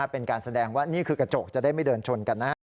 เป็นการแสดงว่านี่คือกระจกจะได้ไม่เดินชนกันนะฮะ